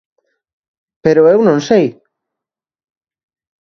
Pero eu non sei.